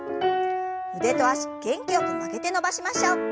腕と脚元気よく曲げて伸ばしましょう。